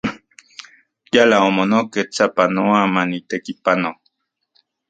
Yala omonek sapanoa manitekipano.